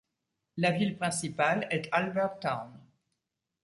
La ville principale est Albert Town.